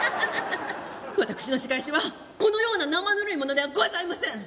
私の仕返しはこのような生ぬるいものではございません！